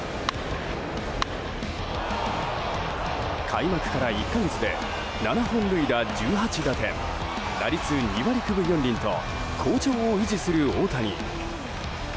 開幕から１か月で７本塁打１８打点打率２割９分４厘と好調を維持する大谷。